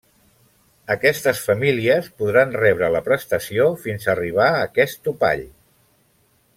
Aquestes famílies podran rebre la prestació fins a arribar a aquest topall.